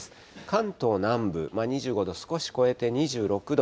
関東南部、２５度少し超えて２６度。